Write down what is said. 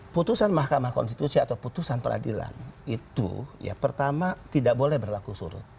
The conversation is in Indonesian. putusan mahkamah konstitusi atau putusan peradilan itu ya pertama tidak boleh berlaku surut